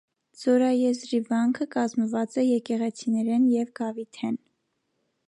Ձորաեզրի վանքը կազմուած է եկեղեցիներէն եւ գաւիթէն։